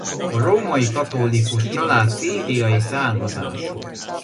A római katolikus család szíriai származású.